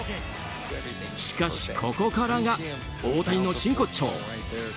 しかし、ここからが大谷の真骨頂。